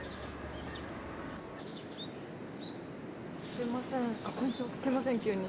すいませんすいません急に。